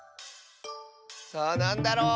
さあなんだろう？